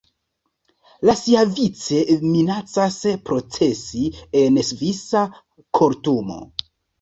Li siavice minacas procesi en svisa kortumo.